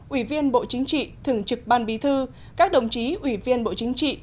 ủy viên bộ chính trị thường trực ban bí thư các đồng chí ủy viên bộ chính trị